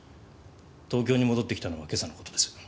東京に戻って来たのは今朝の事です。